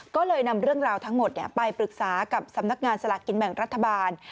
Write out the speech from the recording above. ก็เลยนำเรื่องราวทั้งหมดไปปรึกษากับสำนักงานสลากกินแบ่งรัฐบาล